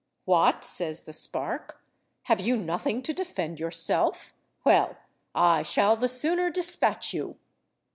"What!" says the spark, "have you nothing to defend yourself? Well, I shall the sooner despatch you."